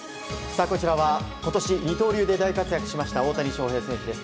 こちらは今年二刀流で大活躍しました大谷翔平選手です。